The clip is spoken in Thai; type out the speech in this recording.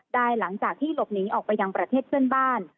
หลังจากที่หลบหนีออกไปยังประเทศเพื่อนบ้าน